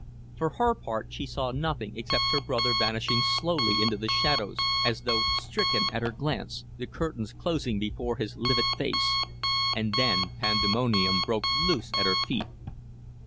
For her part, she saw nothing except her brother vanishing slowly into the shadows as though stricken at her glance, the curtains closing before his livid face and then pandemonium broke loose at her feet.